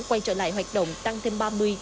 quay trở lại hoạt động tăng thêm ba mươi bốn mươi